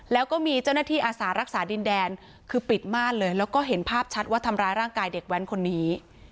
แล้วก็มีเจ้าหน้าที่อาสารักษาดินแดนคือปิดม่านเลยแล้วก็เห็นภาพชัดว่าทำร้ายร่างกายเด็กแว้นคนนี้